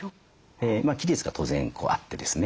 期日が当然あってですね